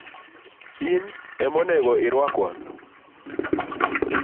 In emonego irwak wa.